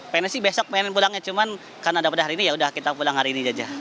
pengen sih besok pengen pulangnya cuman karena dapatnya hari ini ya udah kita pulang hari ini aja